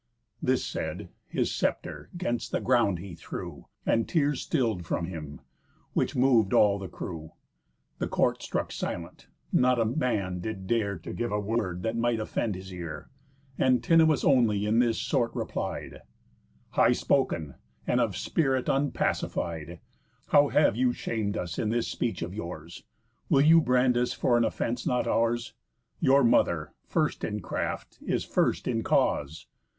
This said, his sceptre 'gainst the ground he threw, And tears still'd from him; which mov'd all the crew, The court struck silent, not a man did dare To give a word that might offend his ear. Antinous only in this sort replied: "High spoken, and of spirit unpacified, How have you sham'd us in this speech of yours! Will you brand us for an offence not ours? Your mother, first in craft, is first in cause.